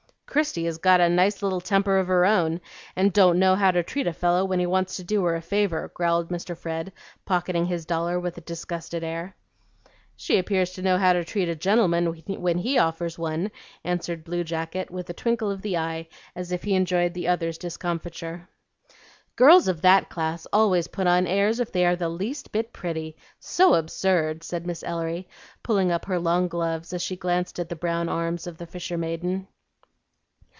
"Christie has got a nice little temper of her own, and don't know how to treat a fellow when he wants to do her a favor," growled Mr. Fred, pocketing his dollar with a disgusted air. "She appears to know how to treat a gentleman when HE offers one," answered Blue Jacket, with a twinkle of the eye as if he enjoyed the other's discomfiture. "Girls of that class always put on airs if they are the least bit pretty, so absurd!" said Miss Ellery, pulling up her long gloves as she glanced at the brown arms of the fisher maiden.